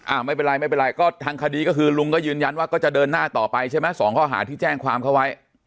ไม่เป็นไรไม่เป็นไรก็ทางคดีก็คือลุงก็ยืนยันว่าก็จะเดินหน้าต่อไปใช่ไหมสองข้อหาที่แจ้งความเขาไว้